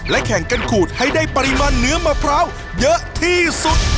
แข่งกันขูดให้ได้ปริมาณเนื้อมะพร้าวเยอะที่สุด